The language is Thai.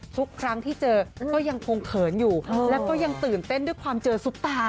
ทุกครั้งที่เจอก็ยังคงเขินอยู่แล้วก็ยังตื่นเต้นด้วยความเจอซุปตา